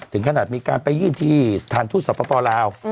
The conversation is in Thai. ถึงขนาดมีการไปยื่นที่สถานทูตศัพท์ประปอลาว